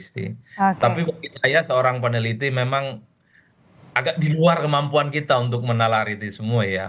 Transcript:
tapi bagi saya seorang peneliti memang agak di luar kemampuan kita untuk menalar itu semua ya